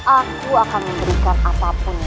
aku akan memberikan apapun ke kalian